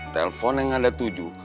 telfon yang ada tujuh